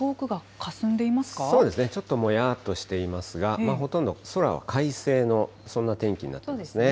そうですね、ちょっともやっとしていますが、ほとんど空は快晴の、そんな天気になっていますね。